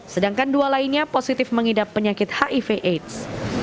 sedangkan dua lainnya positif mengidap penyakit hiv aids